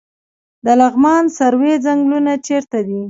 د لغمان سروې ځنګلونه چیرته دي؟